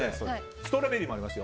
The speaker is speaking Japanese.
ストロベリーもありますよ。